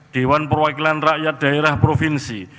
dewan perwakilan rakyat daerah provinsi